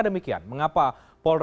di pasal tiga